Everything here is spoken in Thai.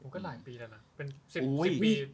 ก็หลายปีแล้วนะ